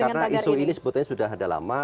karena isu ini sebetulnya sudah ada lama